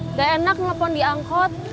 nggak enak nelfon diangkut